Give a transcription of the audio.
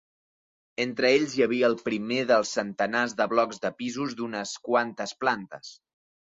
Entre ells hi havia el primer dels centenars de blocs de pisos de unes quantes plantes.